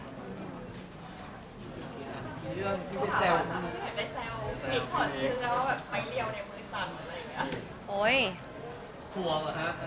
แฟนคลับของคุณไม่ควรเราอะไรไง